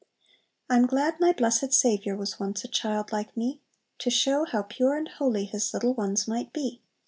"I'm glad my blessed Saviour Was once a child like me, To show how pure and holy His little ones might be.